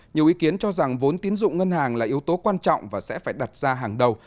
nhiều ý kiến cho rằng vốn tiến dụng ngân hàng là yếu tố quan trọng và sẽ phải đặt ra hàng đầu